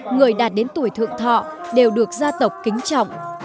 người đạt đến tuổi thượng thọ đều được gia tộc kính trọng